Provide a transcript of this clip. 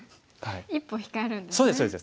一歩控えるんですね。